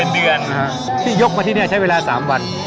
เป็นเดือนอ่าที่ยกมาที่เนี้ยใช้เวลาสามวัน